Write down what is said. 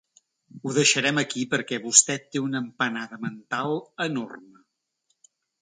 Ho deixarem aquí perquè vostè té una empanada mental enorme.